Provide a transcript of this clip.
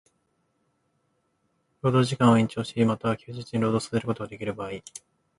労働時間を延長し、又は休日に労働させることができる場合